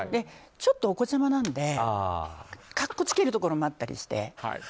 ちょっとおこちゃまなので格好つけるとこもあったりして。